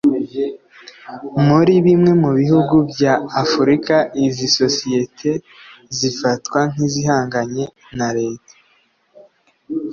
muri bimwe mu bihugu bya Afurika izi Sosiyete zifatwa nk’izihanganye na leta